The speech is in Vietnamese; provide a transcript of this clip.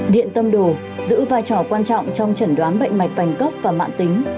điện tâm đồ giữ vai trò quan trọng trong chẩn đoán bệnh mạch vành tốc và mạn tính